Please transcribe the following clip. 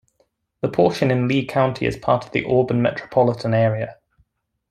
The portion in Lee County is part of the Auburn Metropolitan Area.